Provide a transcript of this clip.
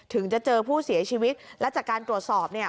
ถึงจะเจอผู้เสียชีวิตและจากการตรวจสอบเนี่ย